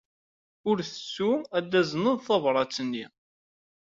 Ur ttettu ad tazneḍ tabṛat-nni.